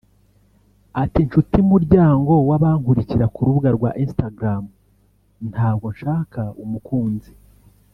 Ati”Nshuti muryango w’abankurikira ku rubuga rwa Instagram ntabwo nshaka umukunzi